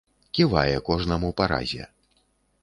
Ківае кожнаму па разе.